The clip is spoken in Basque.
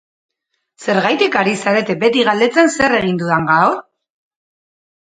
Zergatik ari zarete beti galdetzen zer egin dudan gaur?